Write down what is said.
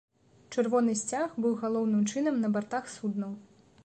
Чырвоны сцяг быў галоўным чынам на бартах суднаў.